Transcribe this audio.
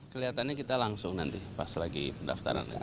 kelihatannya kita langsung nanti pas lagi pendaftaran ya